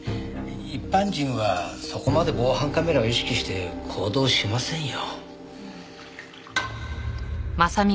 一般人はそこまで防犯カメラを意識して行動しませんよ。